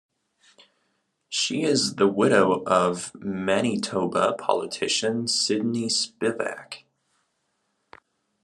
She is the widow of Manitoba politician Sidney Spivak.